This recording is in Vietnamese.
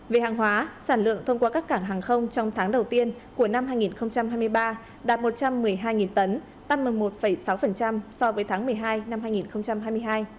về hàng hóa sản lượng thông qua các cảng hàng không trong tháng đầu tiên của năm hai nghìn hai mươi ba đạt một trăm một mươi hai tấn tăng một mươi một sáu so với tháng một mươi hai năm hai nghìn hai mươi hai